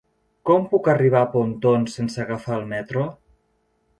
Com puc arribar a Pontons sense agafar el metro?